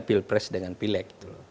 pilpres dengan pilek